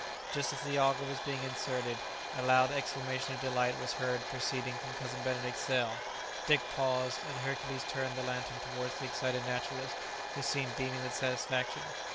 Just as the auger was being inserted, a loud exclamation of delight was heard proceeding from Cousin Benedict's cell. Dick paused, and Hercules turned the lantern towards the excited naturalist, who seemed beaming with satisfaction.